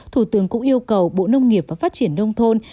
thủ tướng cũng yêu cầu bộ nông nghiệp và phát triển nông thôn